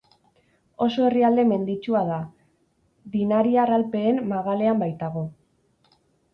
Oso herrialde menditsua da, Dinariar Alpeen magalean baitago.